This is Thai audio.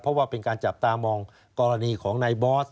เพราะว่าเป็นการจับตามองกรณีของนายบอส